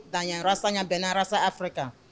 dan yang rasanya benar rasa afrika